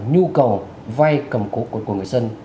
nhu cầu vai cầm cố của người dân